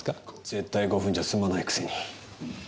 絶対５分じゃ済まないくせに。